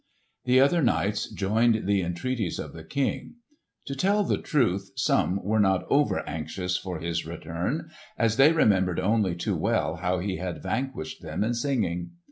The other knights joined the entreaties of the King. To tell the truth, some were not over anxious for his return, as they remembered only too well how he had vanquished them in singing.